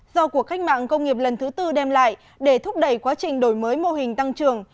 do cuộc cách mạng công nghiệp lần thứ tư đem lại để thúc đẩy quá trình đổi mới mô hình tăng trưởng